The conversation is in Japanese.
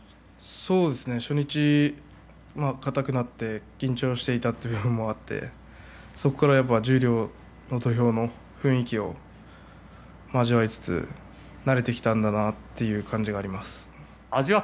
初日は硬くなって緊張していたというのもあってそこから十両の土俵の雰囲気を味わいつつ慣れてきたんだなという感じがあります。